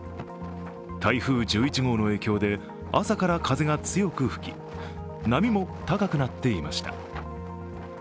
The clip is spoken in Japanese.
台風１１号の影響で朝から風が強く吹き波も高くなっていました。